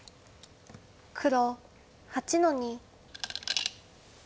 黒８の二。